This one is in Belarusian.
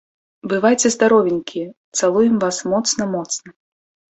Бывайце здаровенькія цалуем вас моцна моцна.